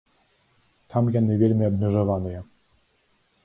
Там яны вельмі абмежаваныя.